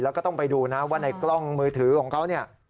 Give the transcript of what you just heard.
แล้วก็ต้องไปดูนะว่าในกล้องมือถือของเขาเนี่ย